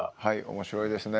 面白いですね。